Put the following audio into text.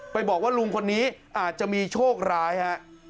บอกว่าลุงคนนี้อาจจะมีโชคร้ายฮะ